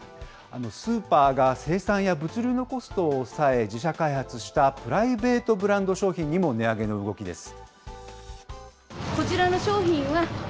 スーパーが生産や物流のコストを抑え、自社開発したプライベートブランド商品にも値上げの動きです。